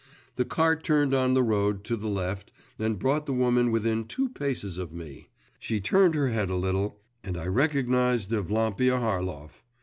The cart turned on the road to the left, and brought the woman within two paces of me; she turned her head a little, and I recognised Evlampia Harlov.